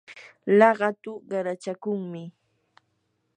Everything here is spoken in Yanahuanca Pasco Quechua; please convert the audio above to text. laqatu qarachakunmi.